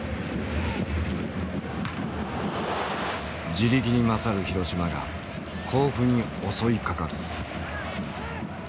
地力に勝る広島が甲府に襲いかかる。